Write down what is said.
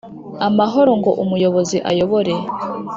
amahoro ngo umuyobozi ayobore